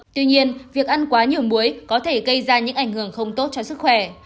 tuy nhiên việc ăn quá nhiều muối có thể gây ra những ảnh hưởng không tốt cho sức khỏe